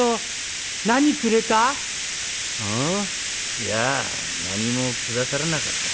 いや何も下さらなかった」。